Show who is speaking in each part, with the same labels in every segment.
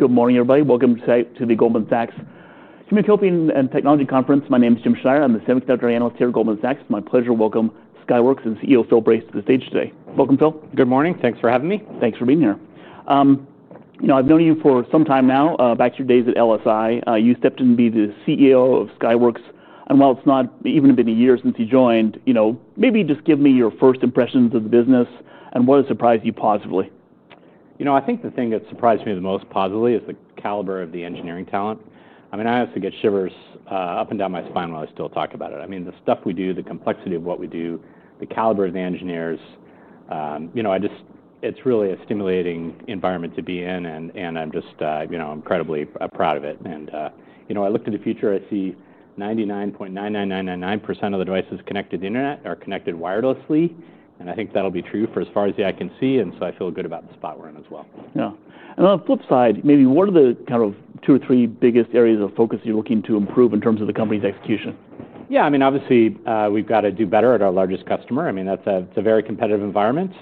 Speaker 1: Good morning, everybody. Welcome to the Goldman Sachs Communications and Technology Conference. My name is Jim Schreier. I'm the Senior Director of Analysts here at Goldman Sachs. It's my pleasure to welcome Skyworks Solutions and CEO Phil Brace to the stage today. Welcome, Phil.
Speaker 2: Good morning. Thanks for having me.
Speaker 1: Thanks for being here. You know, I've known you for some time now, back to your days at LSI. You stepped in to be the CEO of Skyworks Solutions. It's not even been a year since you joined. Maybe just give me your first impressions of the business and what has surprised you positively.
Speaker 2: I think the thing that surprised me the most positively is the caliber of the engineering talent. I honestly get shivers up and down my spine while I still talk about it. The stuff we do, the complexity of what we do, the caliber of the engineers, it's really a stimulating environment to be in, and I'm just incredibly proud of it. I look to the future. I see 99.99999% of the devices connected to the internet are connected wirelessly. I think that'll be true for as far as the eye can see. I feel good about the spot we're in as well.
Speaker 1: On the flip side, maybe what are the kind of two or three biggest areas of focus you're looking to improve in terms of the company's execution?
Speaker 2: Yeah, I mean, obviously, we've got to do better at our largest customer. I mean, that's a very competitive environment.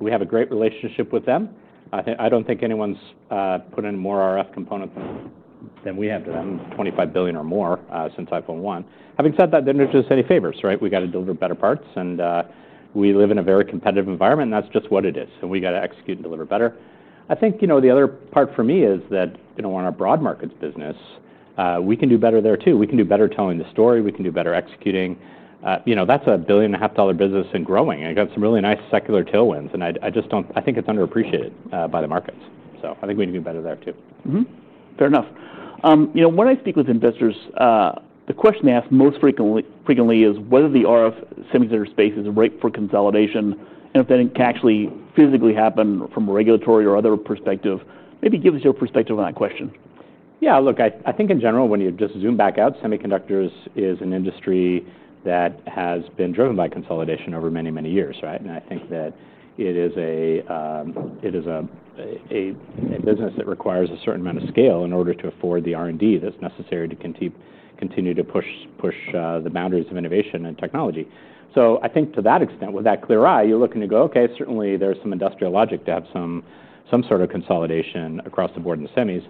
Speaker 2: We have a great relationship with them. I don't think anyone's put in more RF components than we have to them, $25 billion or more since iPhone 1. Having said that, they didn't do us any favors, right? We got to deliver better parts. We live in a very competitive environment, and that's just what it is. We got to execute and deliver better. I think the other part for me is that, you know, on our Broad Markets business, we can do better there too. We can do better telling the story. We can do better executing. You know, that's a $1.5 billion business and growing. It got some really nice secular tailwinds and I just don't, I think it's underappreciated by the markets. I think we can do better there too.
Speaker 1: Fair enough. You know, when I speak with investors, the question they ask most frequently is whether the RF semiconductor space is ripe for consolidation and if that can actually physically happen from a regulatory or other perspective. Maybe give us your perspective on that question.
Speaker 2: Yeah, look, I think in general, when you just zoom back out, semiconductors is an industry that has been driven by consolidation over many, many years, right? I think that it is a business that requires a certain amount of scale in order to afford the R&D that's necessary to continue to push the boundaries of innovation and technology. I think to that extent, with that clear eye, you look and you go, okay, certainly there's some industrial logic to have some sort of consolidation across the board in the semis.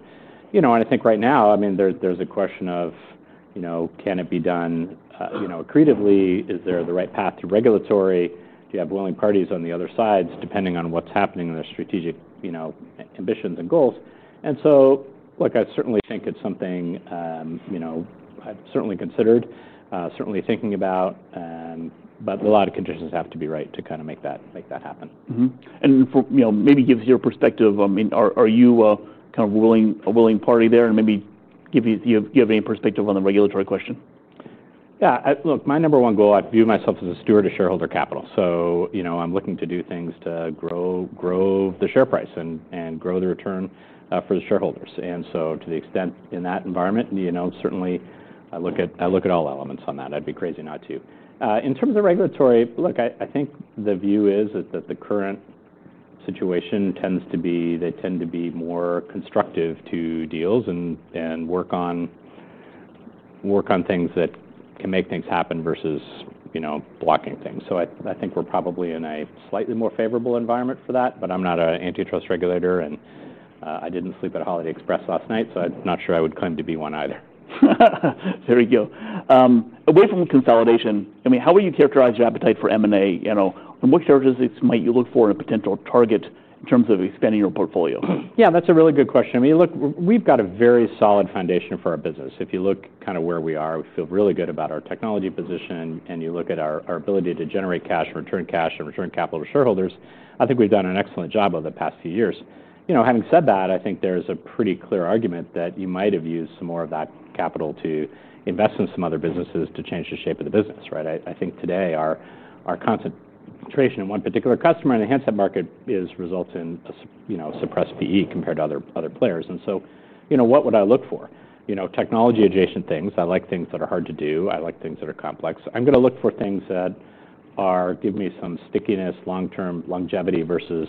Speaker 2: I think right now, I mean, there's a question of, you know, can it be done, you know, creatively? Is there the right path to regulatory? Do you have willing parties on the other sides, depending on what's happening in their strategic ambitions and goals? I certainly think it's something I've certainly considered, certainly thinking about, but a lot of conditions have to be right to kind of make that happen.
Speaker 1: Maybe give us your perspective. I mean, are you kind of a willing party there? Maybe do you have any perspective on the regulatory question?
Speaker 2: Yeah, look, my number one goal, I view myself as a steward of shareholder capital. I'm looking to do things to grow the share price and grow the return for the shareholders. To the extent in that environment, I look at all elements on that. I'd be crazy not to. In terms of regulatory, I think the view is that the current situation tends to be, they tend to be more constructive to deals and work on things that can make things happen versus blocking things. I think we're probably in a slightly more favorable environment for that, but I'm not an antitrust regulator and I didn't sleep at a Holiday Express last night, so I'm not sure I would claim to be one either.
Speaker 1: There you go. Away from consolidation, how would you characterize your appetite for M&A? What characteristics might you look for in a potential target in terms of expanding your portfolio?
Speaker 2: Yeah, that's a really good question. I mean, look, we've got a very solid foundation for our business. If you look kind of where we are, we feel really good about our technology position, and you look at our ability to generate cash and return cash and return capital to shareholders, I think we've done an excellent job over the past few years. Having said that, I think there's a pretty clear argument that you might have used some more of that capital to invest in some other businesses to change the shape of the business, right? I think today our concentration in one particular customer in the handset market is resulting in suppressed PE compared to other players. What would I look for? Technology adjacent things. I like things that are hard to do. I like things that are complex. I'm going to look for things that give me some stickiness, long-term longevity versus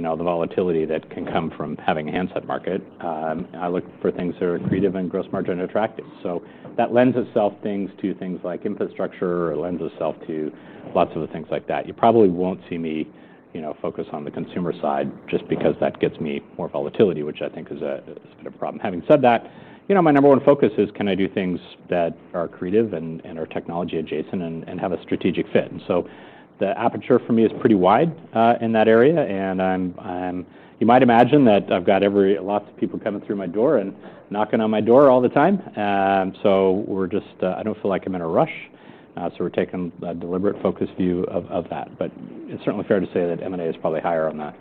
Speaker 2: the volatility that can come from having a handset market. I look for things that are greed and gross margin attractive. That lends itself to things like infrastructure, or lends itself to lots of the things like that. You probably won't see me focus on the consumer side just because that gets me more volatility, which I think is a bit of a problem. Having said that, my number one focus is can I do things that are creative and are technology adjacent and have a strategic fit. The aperture for me is pretty wide in that area. You might imagine that I've got lots of people coming through my door and knocking on my door all the time. I don't feel like I'm in a rush. We're taking a deliberate focus view of that. It's certainly fair to say that M&A is probably higher on the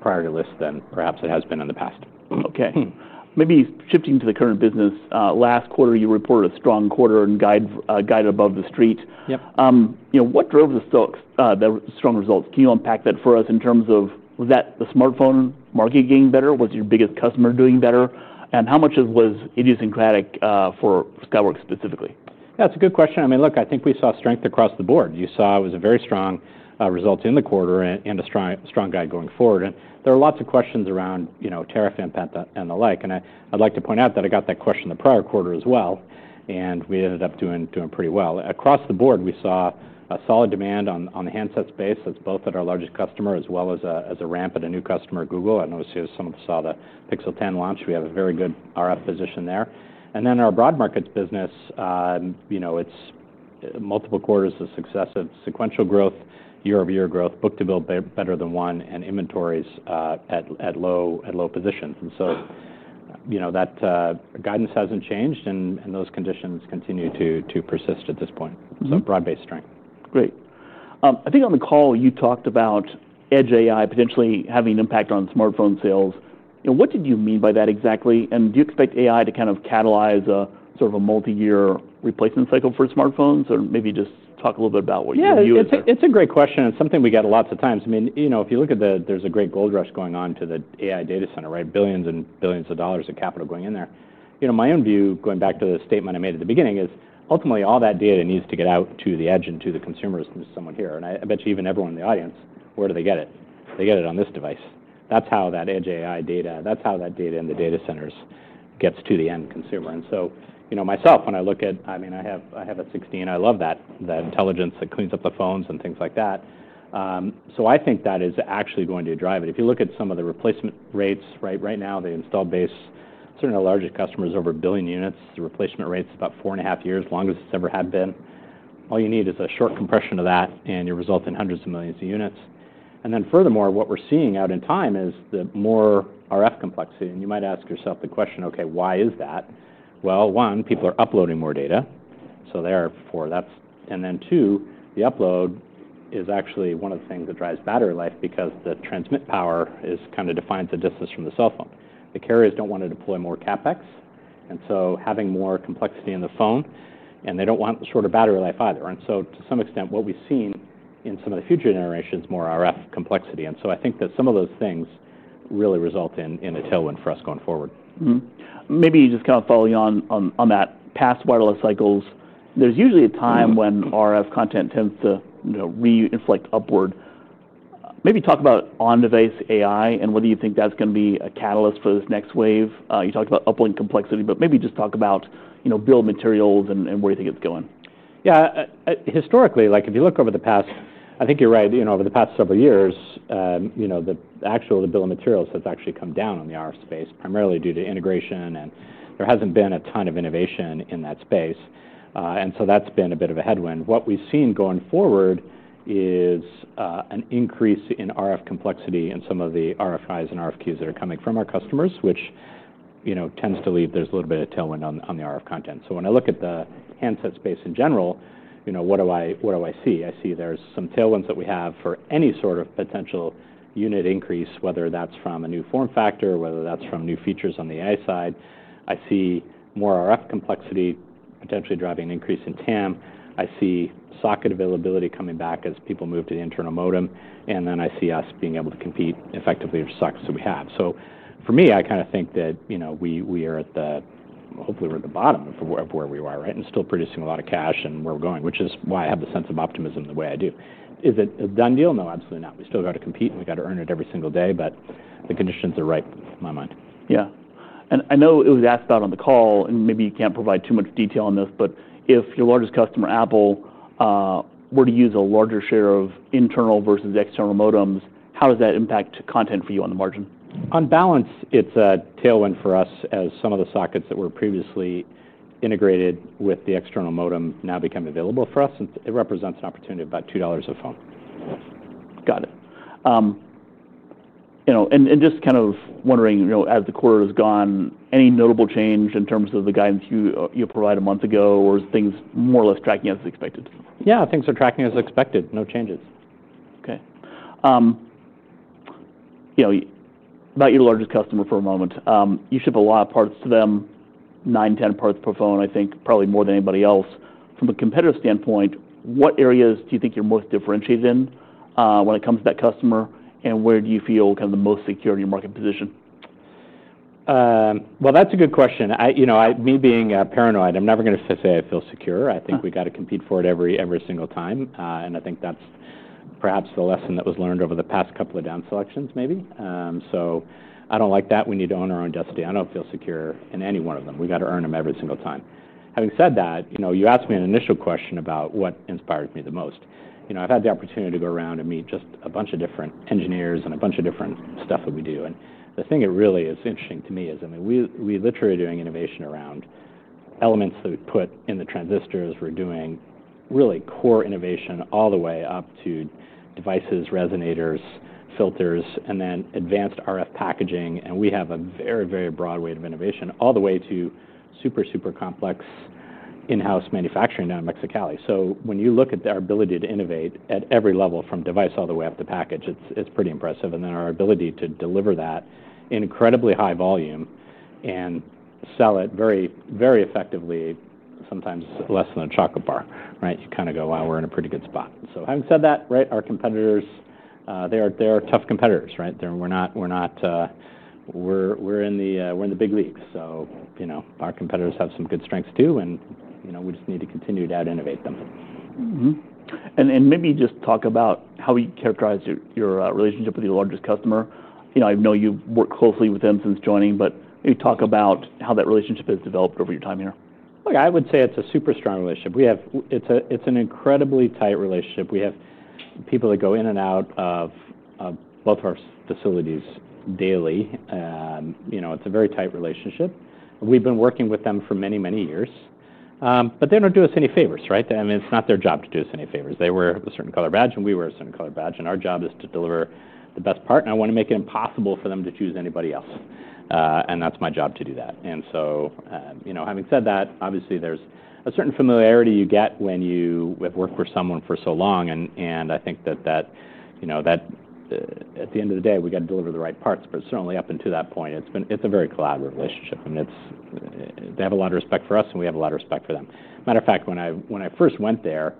Speaker 2: priority list than perhaps it has been in the past.
Speaker 1: Okay. Maybe shifting to the current business, last quarter you reported a strong quarter and guided above the Street.
Speaker 2: Yep.
Speaker 1: You know, what drove the strong results? Can you unpack that for us in terms of was that the smartphone market getting better? Was your biggest customer doing better? How much was idiosyncratic for Skyworks Solutions specifically?
Speaker 2: Yeah, it's a good question. I mean, look, I think we saw strength across the board. You saw it was a very strong result in the quarter and a strong guide going forward. There are lots of questions around, you know, tariff impact and the like. I'd like to point out that I got that question the prior quarter as well. We ended up doing pretty well. Across the board, we saw a solid demand on the handset space. That's both at our largest customer as well as a ramp at a new customer, Google. I know some of us saw the Pixel 10 launch. We have a very good RF position there. Then our Broad Markets business, you know, it's multiple quarters of success, sequential growth, year-over-year growth, book to build better than one, and inventories at low positions. That guidance hasn't changed and those conditions continue to persist at this point. Broad-based strength.
Speaker 1: Great. I think on the call you talked about edge AI potentially having an impact on smartphone sales. What did you mean by that exactly? Do you expect AI to kind of catalyze a sort of a multi-year replacement cycle for smartphones? Maybe just talk a little bit about what you use.
Speaker 2: Yeah, it's a great question. It's something we get lots of times. If you look at that, there's a great gold rush going on to the AI data center, right? Billions and billions of dollars of capital going in there. My own view, going back to the statement I made at the beginning, is ultimately all that data needs to get out to the edge and to the consumers and to someone here. I bet you even everyone in the audience, where do they get it? They get it on this device. That's how that edge AI data, that's how that data in the data centers gets to the end consumer. Myself, when I look at, I mean, I have a 16, I love that, that intelligence that cleans up the phones and things like that. I think that is actually going to drive it. If you look at some of the replacement rates, right? Right now, the installed base, certainly the largest customers, over a billion units, the replacement rate is about four and a half years, as long as it's ever had been. All you need is a short compression of that and your result in hundreds of millions of units. Furthermore, what we're seeing out in time is the more RF complexity. You might ask yourself the question, okay, why is that? One, people are uploading more data. Therefore, that's, and then two, the upload is actually one of the things that drives battery life because the transmit power kind of defines the distance from the cell phone. The carriers don't want to deploy more CapEx. Having more complexity in the phone, and they don't want shorter battery life either. To some extent, what we've seen in some of the future generations, more RF complexity. I think that some of those things really result in a tailwind for us going forward.
Speaker 1: Maybe just kind of following on that, past wireless cycles, there's usually a time when RF content tends to re-inflect upward. Maybe talk about on-device AI and whether you think that's going to be a catalyst for this next wave. You talked about upward complexity, but maybe just talk about, you know, bill of materials and where you think it's going.
Speaker 2: Yeah, historically, if you look over the past, I think you're right, over the past several years, the actual bill of materials has actually come down on the RF space primarily due to integration, and there hasn't been a ton of innovation in that space. That's been a bit of a headwind. What we've seen going forward is an increase in RF complexity and some of the RFIs and RFQs that are coming from our customers, which tends to leave a little bit of tailwind on the RF content. When I look at the handset space in general, what do I see? I see there's some tailwinds that we have for any sort of potential unit increase, whether that's from a new form factor or from new features on the AI side. I see more RF complexity potentially driving an increase in total addressable market. I see socket availability coming back as people move to the internal modem. I see us being able to compete effectively with the sockets that we have. For me, I kind of think that we are at the, hopefully we're at the bottom of where we are, right, and still producing a lot of cash and where we're going, which is why I have the sense of optimism the way I do. Is it a done deal? No, absolutely not. We still got to compete and we got to earn it every single day, but the conditions are ripe in my mind.
Speaker 1: I know it was asked about on the call, and maybe you can't provide too much detail on this, but if your largest customer, Apple, were to use a larger share of internal versus external modems, how does that impact content for you on the margin?
Speaker 2: On balance, it's a tailwind for us as some of the sockets that were previously integrated with the external modem now become available for us. It represents an opportunity of about $2 a phone.
Speaker 1: Got it. Just kind of wondering, you know, as the quarter has gone, any notable change in terms of the guidance you provided a month ago, or is things more or less tracking as expected?
Speaker 2: Yeah, things are tracking as expected. No changes.
Speaker 1: Okay. You know, about your largest customer for a moment, you ship a lot of parts to them, 9, 10 parts per phone, I think probably more than anybody else. From a competitive standpoint, what areas do you think you're most differentiated in when it comes to that customer? Where do you feel kind of the most secure in your market position?
Speaker 2: That's a good question. You know, me being paranoid, I'm never going to say I feel secure. I think we got to compete for it every single time. I think that's perhaps the lesson that was learned over the past couple of down selections, maybe. I don't like that. We need to own our own destiny. I don't feel secure in any one of them. We got to earn them every single time. You asked me an initial question about what inspired me the most. I've had the opportunity to go around and meet just a bunch of different engineers and a bunch of different stuff that we do. The thing that really is interesting to me is, I mean, we literally are doing innovation around elements that we put in the transistors. We're doing really core innovation all the way up to devices, resonators, filters, and then advanced RF packaging. We have a very, very broad way of innovation all the way to super, super complex in-house manufacturing down in Mexicali. When you look at our ability to innovate at every level, from device all the way up to package, it's pretty impressive. Our ability to deliver that in incredibly high volume and sell it very, very effectively, sometimes less than a chocolate bar, right? You kind of go, wow, we're in a pretty good spot. Our competitors, they are tough competitors, right? We're not, we're in the big leagues. Our competitors have some good strengths too, and we just need to continue to out-innovate them.
Speaker 1: Could you talk about how you characterize your relationship with your largest customer? I know you've worked closely with them since joining. Maybe talk about how that relationship has developed over your time here.
Speaker 2: Okay, I would say it's a super strong relationship. It's an incredibly tight relationship. We have people that go in and out of both of our facilities daily. You know, it's a very tight relationship. We've been working with them for many, many years. They don't do us any favors, right? I mean, it's not their job to do us any favors. They wear a certain color badge and we wear a certain color badge. Our job is to deliver the best part. I want to make it impossible for them to choose anybody else. That's my job to do that. Having said that, obviously there's a certain familiarity you get when you have worked with someone for so long. I think that, you know, at the end of the day, we got to deliver the right parts. Certainly up until that point, it's a very collaborative relationship. They have a lot of respect for us and we have a lot of respect for them. As a matter of fact, when I first went there,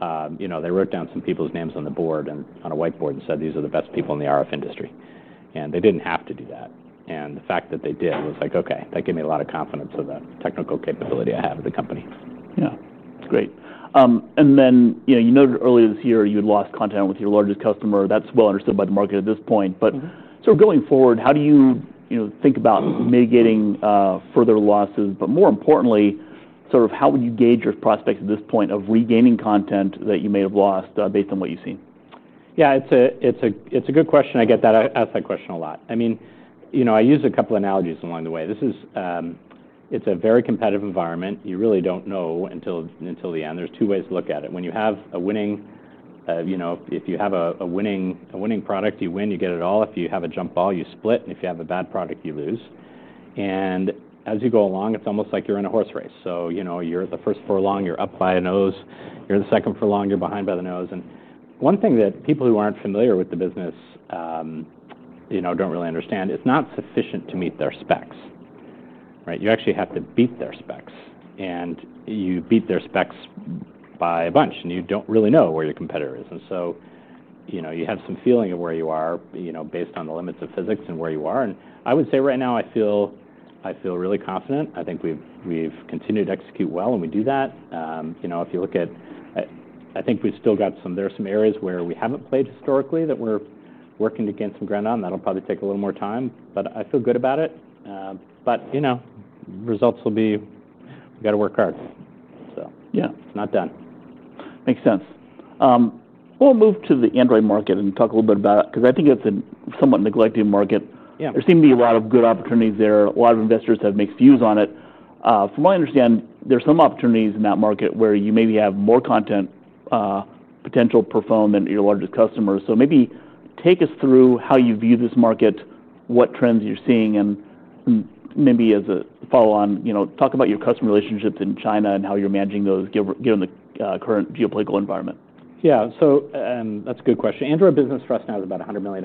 Speaker 2: they wrote down some people's names on the board and on a whiteboard and said, these are the best people in the RF industry. They didn't have to do that. The fact that they did was like, okay, that gave me a lot of confidence of the technical capability I have at the company.
Speaker 1: That's great. You noted earlier this year you had lost content with your largest customer. That's well understood by the market at this point. Going forward, how do you think about mitigating further losses? More importantly, how would you gauge your prospects at this point of regaining content that you may have lost based on what you've seen?
Speaker 2: Yeah, it's a good question. I get that, I ask that question a lot. I mean, I use a couple of analogies along the way. This is a very competitive environment. You really don't know until the end. There's two ways to look at it. When you have a winning, you know, if you have a winning product, you win, you get it all. If you have a jump ball, you split. If you have a bad product, you lose. As you go along, it's almost like you're in a horse race. You're at the first furlong, you're up by the nose. You're at the second furlong, you're behind by the nose. One thing that people who aren't familiar with the business don't really understand, it's not sufficient to meet their specs, right? You actually have to beat their specs. You beat their specs by a bunch. You don't really know where your competitor is. You have some feeling of where you are, based on the limits of physics and where you are. I would say right now, I feel really confident. I think we've continued to execute well when we do that. If you look at, I think we've still got some, there's some areas where we haven't played historically that we're working to gain some ground on. That'll probably take a little more time. I feel good about it. Results will be, we got to work hard. Yeah, it's not done.
Speaker 1: Makes sense. We'll move to the Android market and talk a little bit about it, because I think it's a somewhat neglected market.
Speaker 2: Yeah.
Speaker 1: There seem to be a lot of good opportunities there. A lot of investors have mixed views on it. From what I understand, there's some opportunities in that market where you maybe have more content potential per phone than your largest customer. Maybe take us through how you view this market, what trends you're seeing, and maybe as a follow-on, talk about your customer relationships in China and how you're managing those, given the current geopolitical environment.
Speaker 2: Yeah, that's a good question. Android business for us now is about $100 million.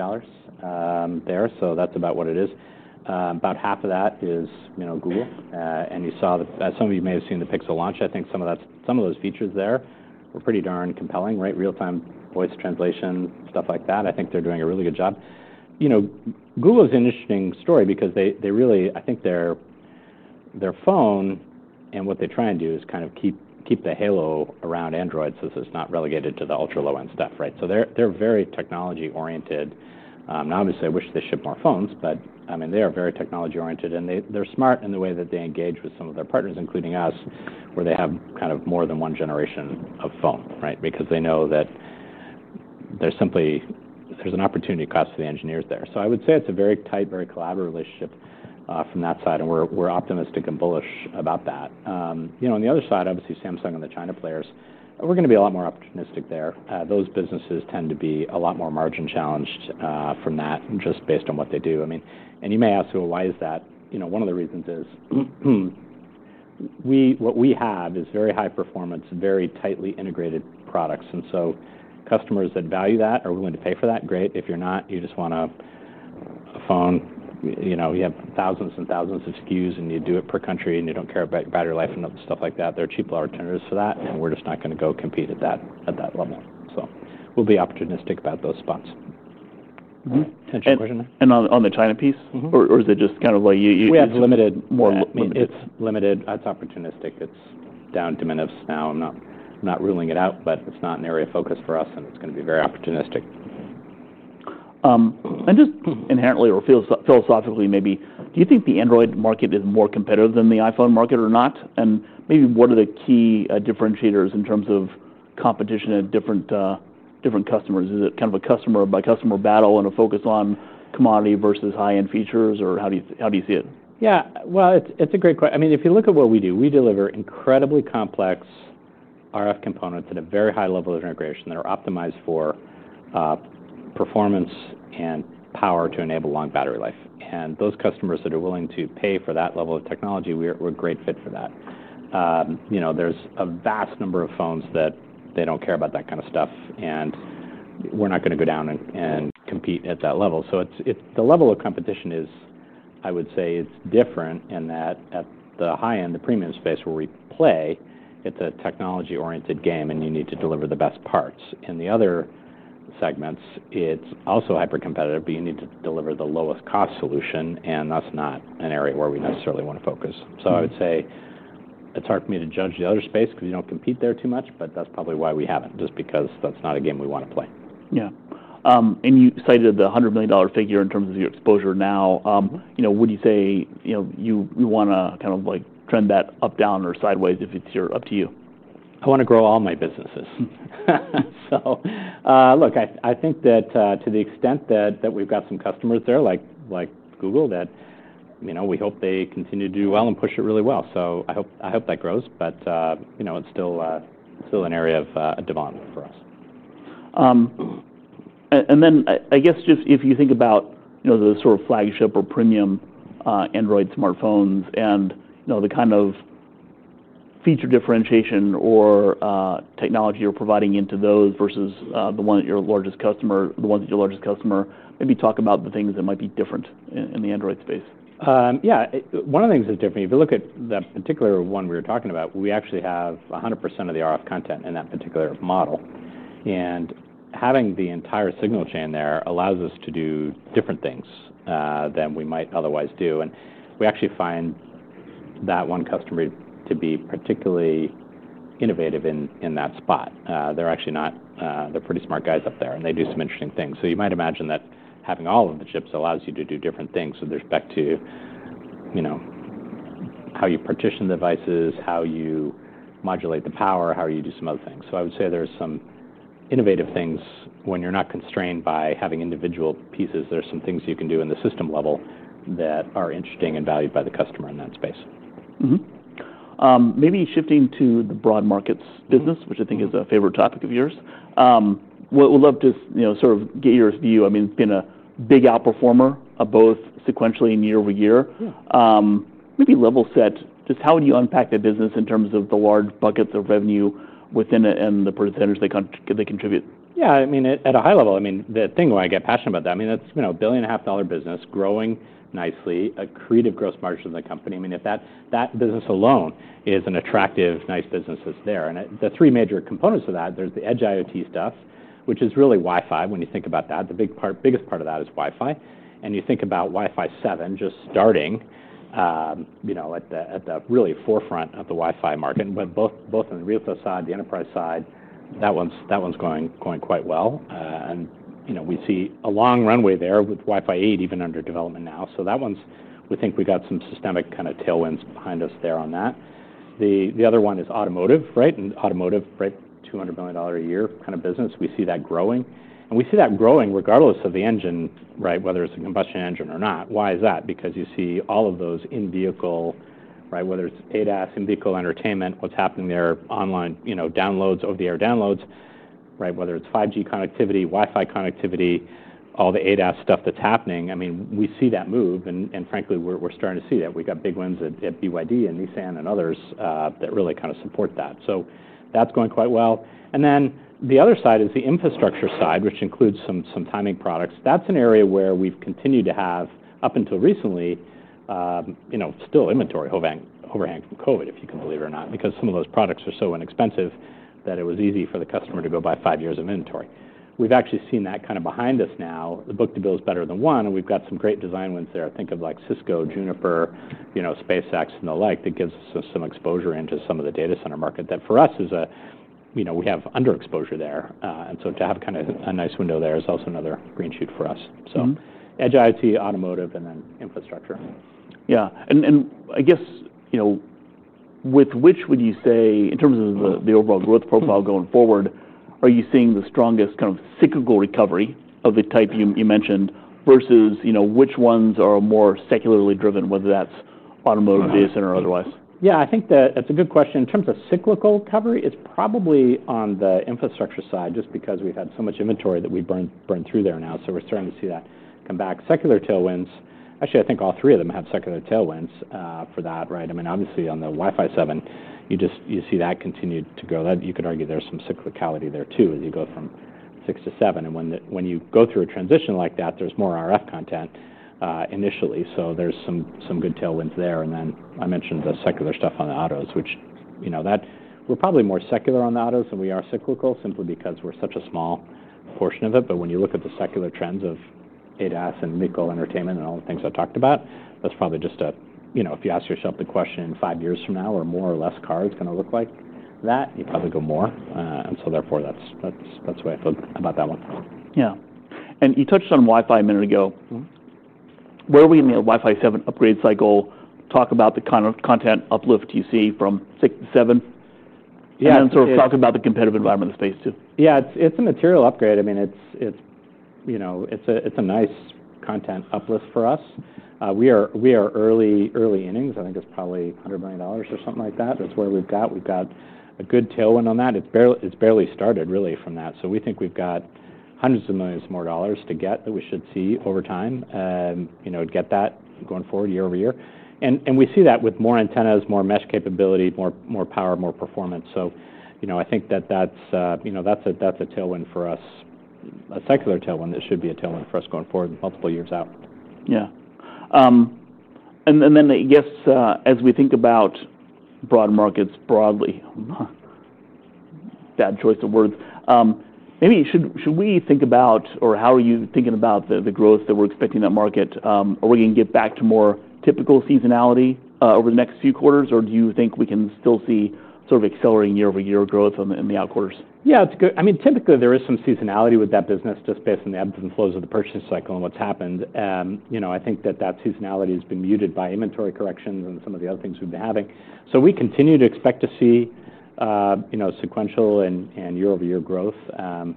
Speaker 2: That's about what it is. About half of that is, you know, Google. Some of you may have seen the Pixel launch. I think some of those features there were pretty darn compelling, right? Real-time voice translation, stuff like that. I think they're doing a really good job. Google is an interesting story because they really, I think their phone and what they try and do is kind of keep the halo around Android so it's not relegated to the ultra-low-end stuff, right? They're very technology-oriented. Obviously, I wish they shipped more phones, but they are very technology-oriented and they're smart in the way that they engage with some of their partners, including us, where they have kind of more than one generation of phone, right? They know that there's simply, there's an opportunity cost for the engineers there. I would say it's a very tight, very collaborative relationship from that side. We're optimistic and bullish about that. On the other side, obviously, Samsung and the China players, we're going to be a lot more optimistic there. Those businesses tend to be a lot more margin challenged from that, just based on what they do. You may ask, why is that? One of the reasons is what we have is very high performance, very tightly integrated products. Customers that value that are willing to pay for that. Great. If you're not, you just want a phone. You have thousands and thousands of SKUs and you do it per country and you don't care about battery life and stuff like that. There are cheaper alternatives for that. We're just not going to go compete at that level. We'll be opportunistic about those spots.
Speaker 1: On the China piece, or is it just kind of like you?
Speaker 2: We have more limited, it's limited. That's opportunistic. It's down to minus now. I'm not ruling it out, but it's not an area of focus for us. It's going to be very opportunistic.
Speaker 1: Inherently or philosophically, maybe, do you think the Android market is more competitive than the iPhone market or not? What are the key differentiators in terms of competition at different customers? Is it kind of a customer-by-customer battle and a focus on commodity versus high-end features? How do you see it?
Speaker 2: Yeah, it's a great question. I mean, if you look at what we do, we deliver incredibly complex RF components at a very high level of integration that are optimized for performance and power to enable long battery life. Those customers that are willing to pay for that level of technology, we're a great fit for that. You know, there's a vast number of phones that don't care about that kind of stuff, and we're not going to go down and compete at that level. The level of competition is, I would say, it's different in that at the high end, the premium space where we play, it's a technology-oriented game, and you need to deliver the best parts. In the other segments, it's also hyper-competitive, but you need to deliver the lowest cost solution. That's not an area where we necessarily want to focus. I would say it's hard for me to judge the other space because we don't compete there too much, but that's probably why we haven't, just because that's not a game we want to play.
Speaker 1: Yeah. You cited the $100 million figure in terms of your exposure now. Would you say you want to kind of trend that up, down, or sideways if it's up to you?
Speaker 2: I want to grow all my businesses. I think that to the extent that we've got some customers there, like Google, that, you know, we hope they continue to do well and push it really well. I hope that grows, but you know, it's still an area of demand for us.
Speaker 1: If you think about the sort of flagship or premium Android smartphones and the kind of feature differentiation or technology you're providing into those versus the one that your largest customer, maybe talk about the things that might be different in the Android space.
Speaker 2: Yeah, one of the things that's different, if you look at that particular one we were talking about, we actually have 100% of the RF content in that particular model. Having the entire signal chain there allows us to do different things than we might otherwise do. We actually find that one customer to be particularly innovative in that spot. They're actually not, they're pretty smart guys up there, and they do some interesting things. You might imagine that having all of the chips allows you to do different things. There's back to how you partition the devices, how you modulate the power, how you do some other things. I would say there's some innovative things when you're not constrained by having individual pieces. There are some things you can do in the system level that are interesting and valued by the customer in that space.
Speaker 1: Maybe shifting to the Broad Markets business, which I think is a favorite topic of yours. We'd love to sort of get your view. I mean, it's been a big outperformer both sequentially and year over year. Maybe level set, just how would you unpack that business in terms of the large buckets of revenue within it and the % they contribute?
Speaker 2: Yeah, I mean, at a high level, the thing why I get passionate about that, that's a $1.5 billion business growing nicely, a creative gross margin of the company. If that business alone is an attractive, nice business that's there. The three major components of that, there's the edge IoT stuff, which is really Wi-Fi. When you think about that, the biggest part of that is Wi-Fi. You think about Wi-Fi 7 just starting at the really forefront of the Wi-Fi market. Both on the retail side, the enterprise side, that one's going quite well. We see a long runway there with Wi-Fi 8 even under development now. That one's, we think we got some systemic kind of tailwinds behind us there on that. The other one is automotive, right? Automotive, $200 million a year kind of business. We see that growing. We see that growing regardless of the engine, whether it's a combustion engine or not. Why is that? Because you see all of those in-vehicle, whether it's ADAS, in-vehicle entertainment, what's happening there, online downloads, over-the-air downloads, whether it's 5G connectivity, Wi-Fi connectivity, all the ADAS stuff that's happening. We see that move. Frankly, we're starting to see that. We've got big wins at BYD and Nissan and others that really kind of support that. That's going quite well. The other side is the infrastructure side, which includes some timing products. That's an area where we've continued to have up until recently, still inventory overhang from COVID, if you can believe it or not, because some of those products are so inexpensive that it was easy for the customer to go buy five years of inventory. We've actually seen that kind of behind us now. The book to build is better than one. We've got some great design wins there. Think of like Cisco, Juniper, SpaceX, and the like that gives us some exposure into some of the data center market that for us is a, we have under exposure there. To have kind of a nice window there is also another green shoot for us. Edge IoT, automotive, and then infrastructure.
Speaker 1: Yeah, I guess, with which would you say in terms of the overall growth profile going forward, are you seeing the strongest kind of cyclical recovery of the type you mentioned versus which ones are more secularly driven, whether that's automotive, data center, or otherwise?
Speaker 2: Yeah, I think that's a good question. In terms of cyclical recovery, it's probably on the infrastructure side just because we've had so much inventory that we've burned through there now. We're starting to see that come back. Secular tailwinds, actually, I think all three of them have secular tailwinds for that, right? I mean, obviously on the Wi-Fi 7, you just see that continue to go. You could argue there's some cyclicality there too as you go from 6 to 7. When you go through a transition like that, there's more RF content initially. There's some good tailwinds there. I mentioned the secular stuff on the autos, which, you know, we're probably more secular on the autos than we are cyclical simply because we're such a small portion of it. When you look at the secular trends of ADAS and vehicle entertainment and all the things I talked about, that's probably just a, you know, if you ask yourself the question five years from now, are more or less cars going to look like that, you probably go more. Therefore, that's the way I feel about that one.
Speaker 1: Yeah. You touched on Wi-Fi a minute ago. Where are we in the Wi-Fi 7 upgrade cycle? Talk about the kind of content uplift you see from 6 to 7, and then sort of talk about the competitive environment in the space too.
Speaker 2: Yeah, it's a material upgrade. I mean, it's, you know, it's a nice content uplift for us. We are early innings. I think it's probably $100 million or something like that. That's where we've got. We've got a good tailwind on that. It's barely started really from that. We think we've got hundreds of millions more dollars to get that we should see over time, you know, get that going forward year over year. We see that with more antennas, more mesh capability, more power, more performance. I think that that's, you know, that's a tailwind for us, a secular tailwind that should be a tailwind for us going forward multiple years out.
Speaker 1: As we think about Broad Markets broadly, bad choice of words, maybe should we think about or how are you thinking about the growth that we're expecting in that market? Are we going to get back to more typical seasonality over the next few quarters? Do you think we can still see sort of accelerating year-over-year growth in the out quarters?
Speaker 2: Yeah, it's good. I mean, typically there is some seasonality with that business just based on the ebbs and flows of the purchasing cycle and what's happened. I think that seasonality has been muted by inventory corrections and some of the other things we've been having. We continue to expect to see sequential and year-over-year growth. I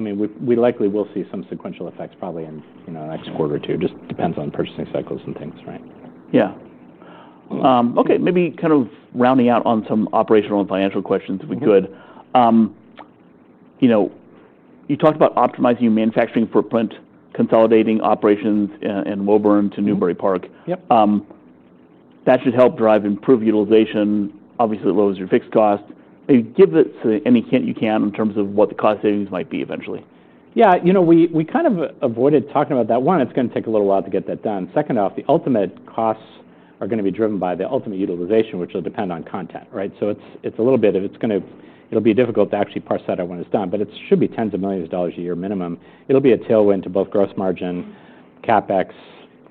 Speaker 2: mean, we likely will see some sequential effects probably in the next quarter or two. It just depends on purchasing cycles and things, right?
Speaker 1: Yeah. Okay, maybe kind of rounding out on some operational and financial questions if we could. You know, you talked about optimizing your manufacturing footprint, consolidating operations in Woburn to Newbury Park. That should help drive improved utilization. Obviously, it lowers your fixed cost. Give us any hint you can in terms of what the cost savings might be eventually.
Speaker 2: Yeah, you know, we kind of avoided talking about that. One, it's going to take a little while to get that done. Second off, the ultimate costs are going to be driven by the ultimate utilization, which will depend on content, right? It's going to be difficult to actually parse that out when it's done, but it should be tens of millions of dollars a year minimum. It'll be a tailwind to both gross margin, CapEx,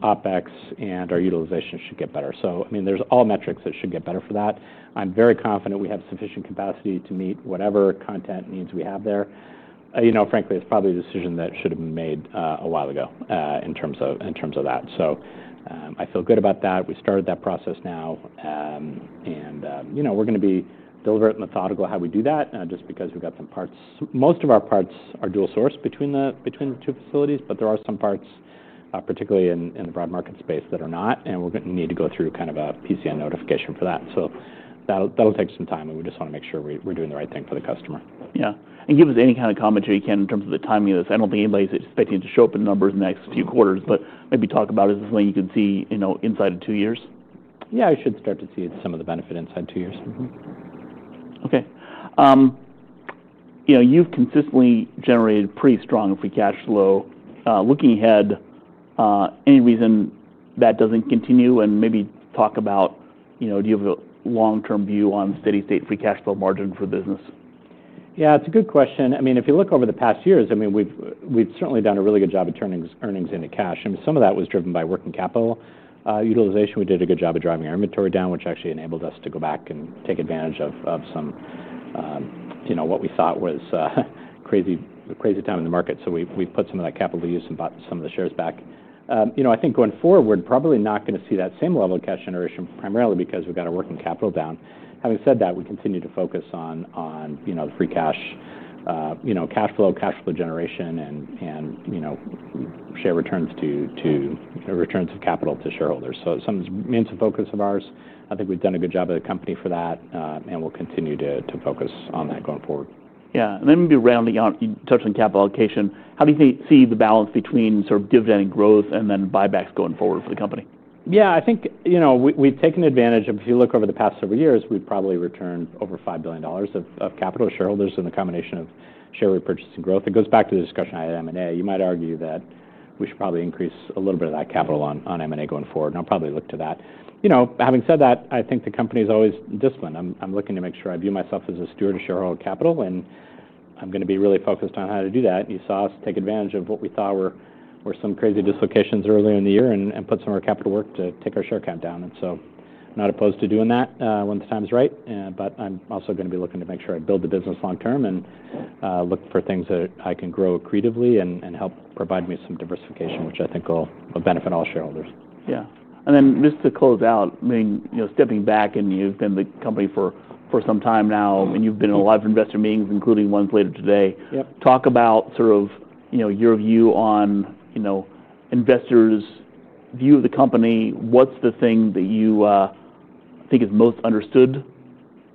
Speaker 2: OpEx, and our utilization should get better. There are metrics that should get better for that. I'm very confident we have sufficient capacity to meet whatever content needs we have there. Frankly, it's probably a decision that should have been made a while ago in terms of that. I feel good about that. We started that process now. We're going to be deliberate and methodical how we do that just because we've got some parts. Most of our parts are dual sourced between the two facilities, but there are some parts, particularly in the Broad Markets space, that are not. We're going to need to go through kind of a PCI notification for that. That'll take some time. We just want to make sure we're doing the right thing for the customer.
Speaker 1: Give us any kind of commentary you can in terms of the timing of this. I don't think anybody's expecting to shorten the numbers in the next few quarters, but maybe talk about it as something you can see inside of two years.
Speaker 2: Yeah, I should start to see some of the benefit inside two years.
Speaker 1: Okay. You know, you've consistently generated pretty strong free cash flow. Looking ahead, any reason that doesn't continue? Maybe talk about, you know, do you have a long-term view on steady state and free cash flow margin for the business?
Speaker 2: Yeah, it's a good question. I mean, if you look over the past years, we've certainly done a really good job of turning earnings into cash. Some of that was driven by working capital utilization. We did a good job of driving our inventory down, which actually enabled us to go back and take advantage of some, you know, what we thought was a crazy time in the market. We've put some of that capital to use and bought some of the shares back. I think going forward, we're probably not going to see that same level of cash generation primarily because we've got our working capital down. Having said that, we continue to focus on the free cash, you know, cash flow, cash flow generation, and share returns to returns of capital to shareholders. Some means of focus of ours. I think we've done a good job of the company for that. We'll continue to focus on that going forward.
Speaker 1: You touched on capital allocation. How do you see the balance between dividend growth and buybacks going forward for the company?
Speaker 2: Yeah, I think, you know, we've taken advantage of, if you look over the past several years, we've probably returned over $5 billion of capital to shareholders in the combination of share repurchase and growth. It goes back to the discussion I had at M&A. You might argue that we should probably increase a little bit of that capital on M&A going forward. I'll probably look to that. Having said that, I think the company's always disciplined. I'm looking to make sure I view myself as a steward of shareholder capital. I'm going to be really focused on how to do that. You saw us take advantage of what we thought were some crazy dislocations earlier in the year and put some of our capital to work to take our share count down. I'm not opposed to doing that when the time's right. I'm also going to be looking to make sure I build the business long term and look for things that I can grow creatively and help provide me some diversification, which I think will benefit all shareholders.
Speaker 1: Yeah. Just to close out, I mean, you know, stepping back and you've been at the company for some time now and you've been in a lot of investor meetings, including ones later today. Talk about your view on investors' view of the company. What's the thing that you think is most understood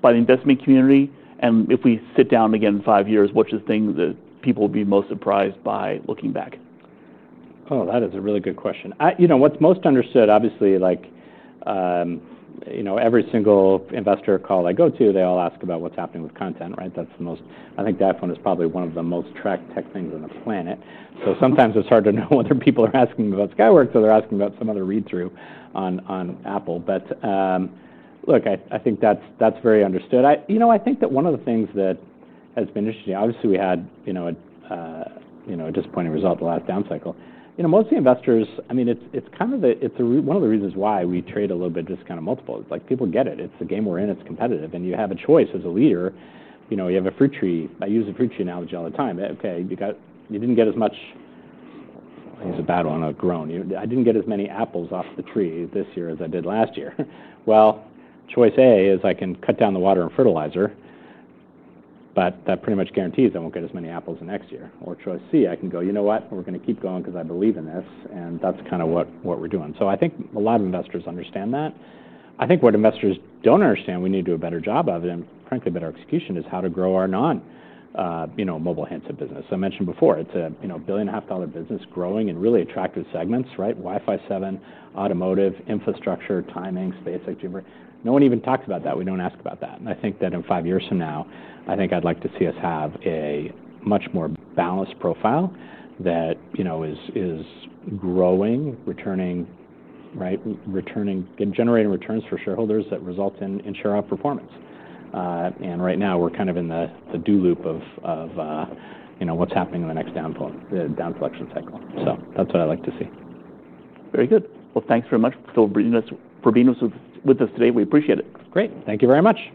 Speaker 1: by the investment community? If we sit down again in five years, what's the thing that people would be most surprised by looking back?
Speaker 2: Oh, that is a really good question. You know, what's most understood, obviously, like, you know, every single investor call I go to, they all ask about what's happening with content, right? That's the most, I think that one is probably one of the most tracked tech things on the planet. Sometimes it's hard to know whether people are asking about Skyworks Solutions or they're asking about some other read-through on Apple. Look, I think that's very understood. I think that one of the things that has been interesting, obviously we had a disappointing result, the last down cycle. Most of the investors, I mean, it's kind of the, it's one of the reasons why we trade a little bit of this kind of multiple. People get it. It's the game we're in. It's competitive. You have a choice as a leader. You have a fruit tree. I use a fruit tree analogy all the time. Okay, you got, you didn't get as much, I think it was a battle on a groan. I didn't get as many apples off the tree this year as I did last year. Choice A is I can cut down the water and fertilizer. That pretty much guarantees I won't get as many apples the next year. Or choice C, I can go, you know what, we're going to keep going because I believe in this. That's kind of what we're doing. I think a lot of investors understand that. I think what investors don't understand, we need to do a better job of it. Frankly, better execution is how to grow our non, you know, mobile handset business. I mentioned before, it's a, you know, $1.5 billion business growing in really attractive segments, right? Wi-Fi 7, automotive, infrastructure, timing, space, exuberance. No one even talks about that. We don't ask about that. I think that in five years from now, I think I'd like to see us have a much more balanced profile that, you know, is growing, returning, right? Returning and generating returns for shareholders that result in share upper performance. Right now, we're kind of in the do loop of, you know, what's happening in the next downfall, the down selection cycle. That's what I'd like to see.
Speaker 1: Very good. Thank you very much for being with us today. We appreciate it.
Speaker 2: Great. Thank you very much.